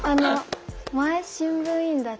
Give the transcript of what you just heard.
前新聞委員だった。